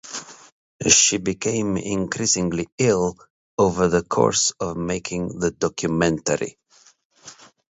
She became increasingly ill over the course of making the documentary.